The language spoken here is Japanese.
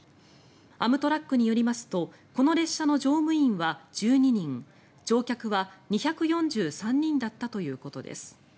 アムトラックによりますとこの列車の乗務員は１２人乗客は２４３人だったということです。